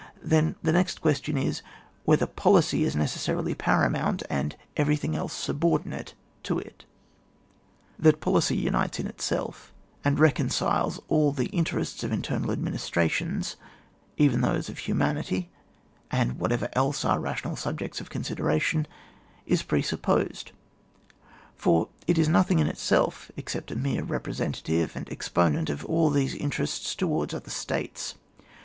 then the next question is, whether poliey is necessarily paramount, and everything else subor dinate to it. That policy unites in itself, and recon ciles all the interests of internal admin istrations, even those of himianity, and whatever else are rational subjects of consideration, is presupposed, for it is nothing in itself, except a mere repre sentative and exponent of all these interests towards other States.